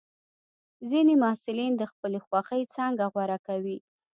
ځینې محصلین د خپلې خوښې څانګه غوره کوي.